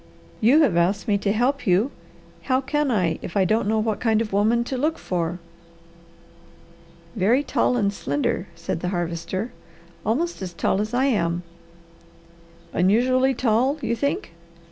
"You have asked me to help you; how can I if I don't know what kind of a woman to look for?" "Very tall and slender," said the Harvester. "Almost as tall as I am." "Unusually tall you think?"